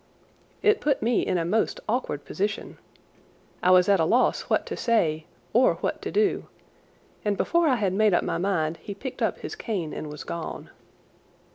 It put me in a most awkward position. I was at a loss what to say or what to do, and before I had made up my mind he picked up his cane and was gone.